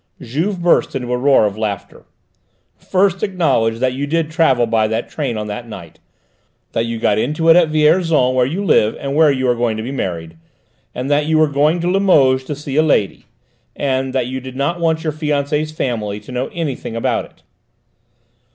Juve burst into a roar of laughter. "First acknowledge that you did travel by that train on that night: that you got into it at Vierzon, where you live and where you are going to be married; and that you were going to Limoges to see a lady and that you did not want your fiancée's family to know anything about it."